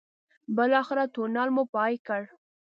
بالاخره تونل مو پای کړ.